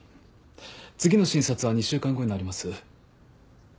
次の診察は２週間後になります。